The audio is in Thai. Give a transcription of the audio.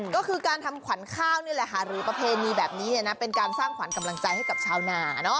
ก็คือการทำขวัญข้าวนี่แหละค่ะหรือประเพณีแบบนี้เป็นการสร้างขวัญกำลังใจให้กับชาวนา